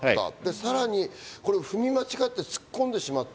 さらに踏み間違って突っ込んでしまった。